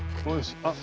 あっ。